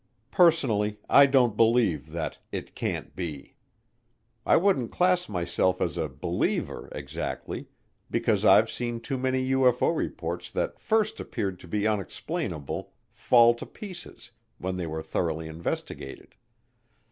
Personally, I don't believe that "it can't be." I wouldn't class myself as a "believer," exactly, because I've seen too many UFO reports that first appeared to be unexplainable fall to pieces when they were thoroughly investigated.